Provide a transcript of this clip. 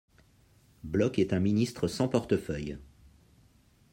Blok est un ministre sans portefeuille.